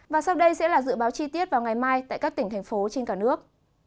và sau đây sẽ là dự báo chi tiết vào ngày mai tại các tỉnh thành phố trên cả nước